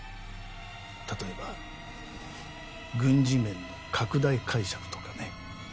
例えば軍事面の拡大解釈とかね。